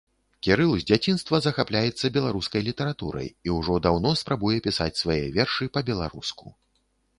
Кірыл з дзяцінства захапляецца беларускай літаратурай і ўжо даўно спрабуе пісаць свае вершы па-беларуску.